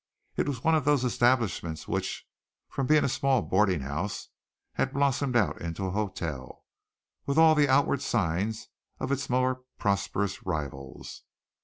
It was one of those establishments which, from being a small boarding house, had blossomed out into a hotel, with all the outward signs of its more prosperous rivals.